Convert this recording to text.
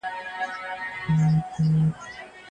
عدالت په ټولنه کي پلې کیږي.